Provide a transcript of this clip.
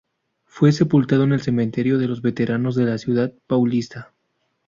Fue sepultado en el Cementerio de los Veteranos de la ciudad paulista.